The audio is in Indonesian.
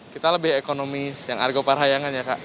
kita lebih ekonomis yang argo parahyangan ya kak